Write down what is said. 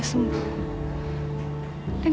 jelaskan sebutu lekir tante